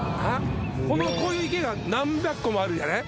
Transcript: こういう池が何百個もあるんじゃない？